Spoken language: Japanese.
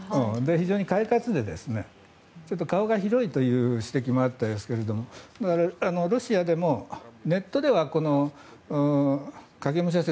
非常に快活で顔が広いという指摘もあったんですがロシアでもネットではこの影武者説